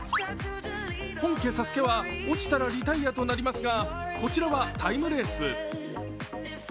本家ＳＡＳＵＫＥは落ちたらリタイアとなりますがこちらはタイムレース。